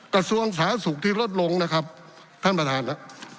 กระทรวงสาธารณสุขที่ลดลงนะครับท่านประธานนะ